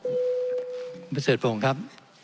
คุณประเศษภงครับ